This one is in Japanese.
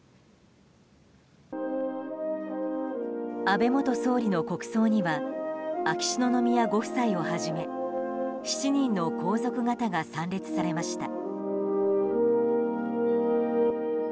安倍元総理の国葬には秋篠宮ご夫妻をはじめ７人の皇族方が参列されました。